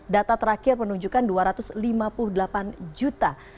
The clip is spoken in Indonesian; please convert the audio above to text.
data terakhir menunjukkan dua ratus lima puluh delapan juta